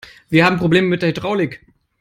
Wir haben Probleme mit der Hydraulik.